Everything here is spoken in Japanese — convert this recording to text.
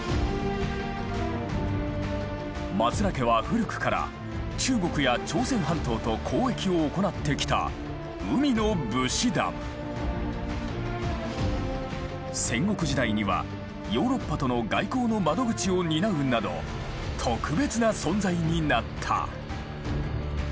松浦家は古くから中国や朝鮮半島と交易を行ってきた戦国時代にはヨーロッパとの外交の窓口を担うなど特別な存在になった。